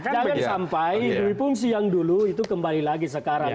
jangan sampai diri pun siang dulu itu kembali lagi sekarang